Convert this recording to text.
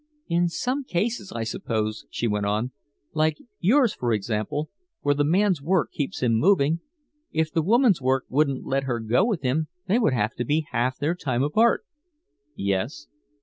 "In some cases, I suppose," she went on, "like yours, for example, where the man's work keeps him moving if the woman's work wouldn't let her go with him they would have to be half their time apart." "Yes."